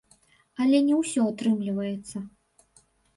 Але не ўсё атрымліваецца.